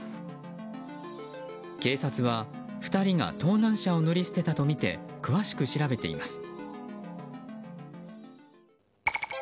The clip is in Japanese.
警察は２人が盗難車を乗り捨てたとみて詳しく調べています。